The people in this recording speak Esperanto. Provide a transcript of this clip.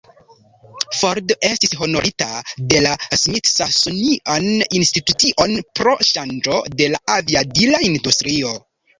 Ford estis honorita de la "Smithsonian Institution" pro ŝanĝo de la aviadila industrio.